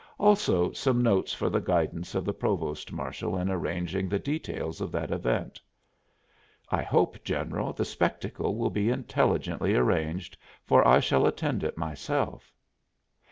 Also some notes for the guidance of the provost marshal in arranging the details of that event." "I hope, General, the spectacle will be intelligently arranged, for I shall attend it myself."